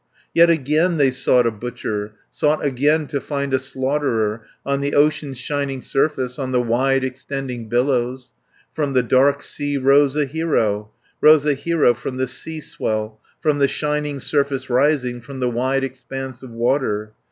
Yet again they sought a butcher, Sought again to find a slaughterer, On the ocean's shining surface, On the wide extending billows. From the dark sea rose a hero, Rose a hero from the sea swell, 90 From the shining surface rising, From the wide expanse of water.